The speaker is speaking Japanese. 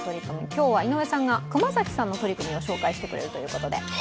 今日は井上さんが熊崎さんの取り組みを紹介してくれるということで。